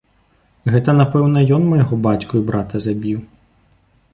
Гэта, напэўна, ён майго бацьку і брата забіў?